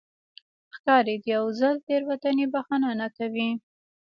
ښکاري د یو ځل تېروتنې بښنه نه کوي.